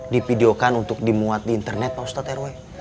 dipideokan untuk dimuat di internet pak ustadz rw